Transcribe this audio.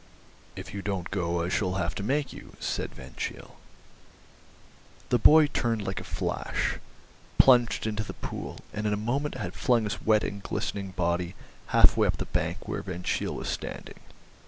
"If you don't go. I shall have to make you," said Van Cheele. The boy turned like a flash, plunged into the pool, and in a moment had flung his wet and glistening body half way up the bank where Van Cheele was standing.